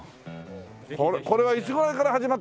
これはいつぐらいから始まったの？